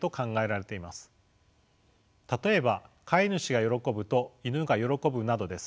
例えば飼い主が喜ぶとイヌが喜ぶなどです。